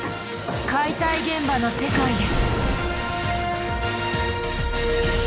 解体現場の世界へ！